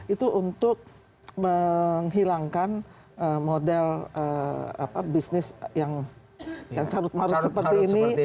itu untuk menghilangkan model bisnis yang carut marut seperti ini